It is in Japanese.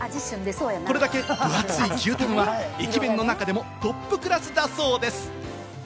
これだけ分厚い牛たんは駅弁の中でもトップクラスだそうです。